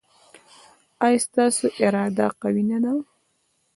ایا ستاسو اراده قوي نه ده؟